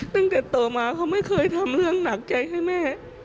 ตั้งแต่ต่อมาเขาไม่เคยทำเรื่องหนักใจให้แม่